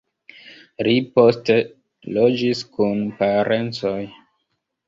Li poste loĝis kun parencoj.